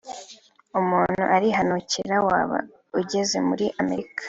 umuntu arihanukira waba ugeze muri Amerika